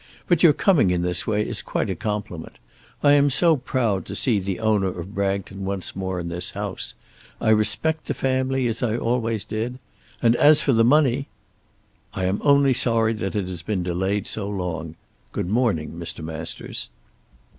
But your coming in this way is quite a compliment. I am so proud to see the owner of Bragton once more in this house. I respect the family as I always did; and as for the money " "I am only sorry that it has been delayed so long. Good morning, Mr. Masters."